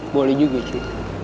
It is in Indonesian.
boleh juga cuy